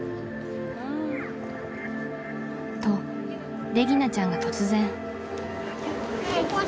［とレギナちゃんが突然］